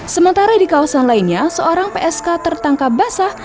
sementara di kawasan lainnya seorang psk tertangkap basah